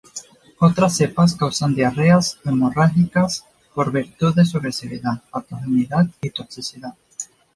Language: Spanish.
Otras cepas causan diarreas hemorrágicas por virtud de su agresividad, patogenicidad y toxicidad.